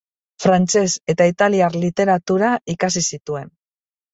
Frantses eta italiar literatura ikasi zituen.